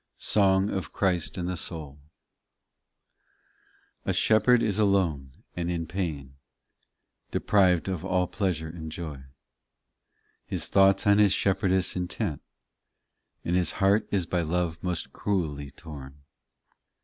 SONG OF CHRIST AND THE SOUL i A SHEPHERD is alone and in pain, Deprived of aH pleasure and joy, His thoughts on his shepherdess intent, And his heart is by love most cruelly torn.